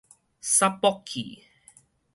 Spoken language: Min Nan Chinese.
捒爆去